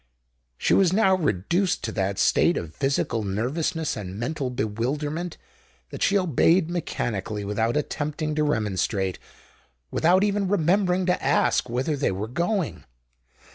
She was now reduced to that state of physical nervousness and mental bewilderment, that she obeyed mechanically, without attempting to remonstrate—without even remembering to ask whither they were going.